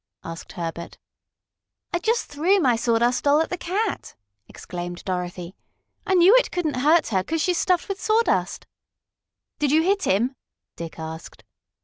asked Herbert. "I just threw my Sawdust Doll at the cat!" exclaimed Dorothy. "I knew it couldn't hurt her, 'cause she's stuffed with sawdust." "Did you hit him?" Dick asked.